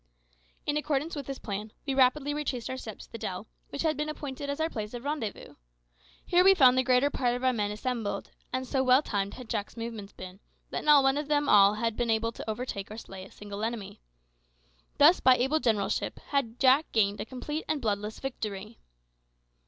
In accordance with this plan, we rapidly retraced our steps to the dell, which had been appointed as our place of rendezvous. Here we found the greater part of our men assembled; and so well timed had Jack's movements been, that not one of them all had been able to overtake or slay a single enemy. Thus, by able generalship, had Jack gained a complete and bloodless victory.